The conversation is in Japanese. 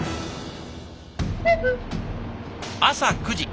朝９時。